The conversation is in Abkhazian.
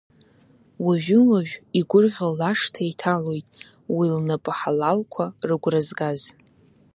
Уажәы-уажә игәырӷьо лашҭа иҭалоит, уи лнапы ҳалалқәа рыгәра згаз.